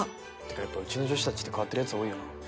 てかやっぱうちの女子たちって変わってるやつ多いよな